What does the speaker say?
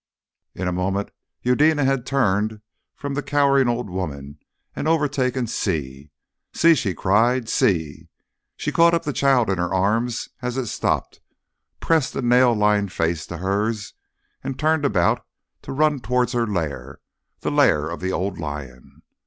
In a moment Eudena had turned from the cowering old woman and overtaken Si. "Si!" she cried, "Si!" She caught the child up in her arms as it stopped, pressed the nail lined face to hers, and turned about to run towards her lair, the lair of the old lion.